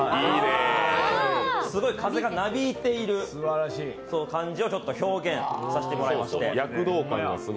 すごい風がなびいている感じを表現させてもらいまして。